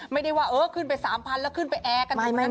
ไม่ได้ว่าเออขึ้นไป๓๐๐๐แล้วขึ้นไปแอร์กันตรงนั้น